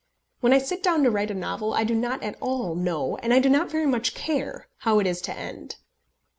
When I sit down to write a novel I do not at all know, and I do not very much care, how it is to end.